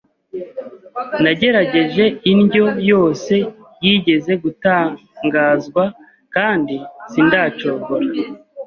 Nagerageje indyo yose yigeze gutangazwa kandi sindacogora.